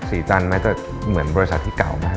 สีจันก็เหมือนบริษัทที่เก่ามาก